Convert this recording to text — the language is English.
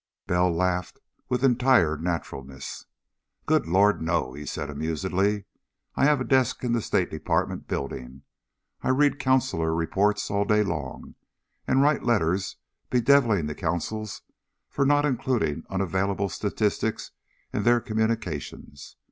Bell laughed with entire naturalness. "Good Lord, no!" he said amusedly. "I have a desk in the State Department building, and I read consular reports all day long and write letters bedeviling the consuls for not including unavailable statistics in their communications.